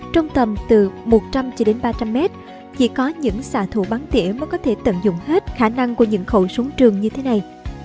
trong tầm từ một trăm linh cho đến ba trăm linh mét chỉ có những xạ thủ bắn tỉa mới có thể tận dụng hết khả năng của những khẩu súng trường như thế này